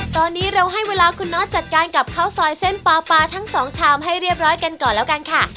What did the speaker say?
ตอนนี้เราให้เวลาคุณน็อตจัดการกับข้าวซอยเส้นปลาปลาทั้งสองชามให้เรียบร้อยกันก่อนแล้วกันค่ะ